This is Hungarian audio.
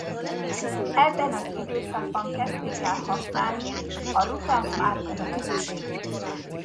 Ebben az időszakban kezdték el használni a Ruta márkanevet is.